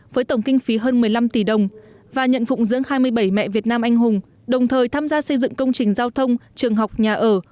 với tổng kinh phí hơn một mươi năm tỷ đồng và nhận phụng dưỡng hai mươi bảy mẹ việt nam anh hùng đồng thời tham gia xây dựng công trình giao thông trường học nhà ở